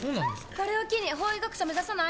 これを機に法医学者目指さない？